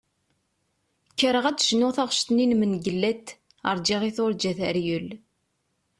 Kkreɣ ad d-cnuɣ taɣect-nni n Mengellat "Rğiɣ i turğa teryel".